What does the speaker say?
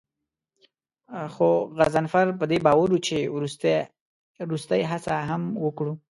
خو غضنفر په دې باور و چې وروستۍ هڅه هم وکړو.